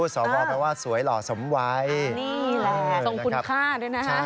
สวหมายว่าสวยหล่อสมไวส่งคุณค่าด้วยนะคะ